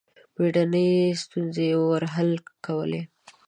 بېړنۍ ستونزې یې ور حل کولې.